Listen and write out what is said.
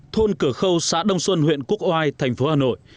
thôn cửa khâu xã đông xuân huyện quốc oai thành phố hà nội